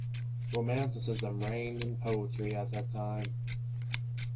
Romanticism reigned in poetry at that time.